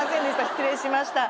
失礼しました。